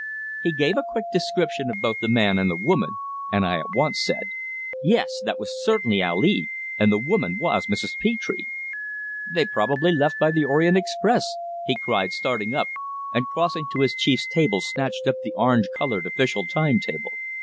He gave a quick description of both the man and the woman, and I at once said: "Yes, that was certainly Ali, and the woman was Mrs. Petre!" "They probably left by the Orient Express!" he cried, starting up, and crossing to his chief's table snatched up the orange coloured official time table.